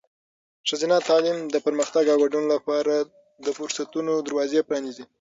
ښځینه تعلیم د پرمختګ او ګډون لپاره د فرصتونو دروازې پرانیزي.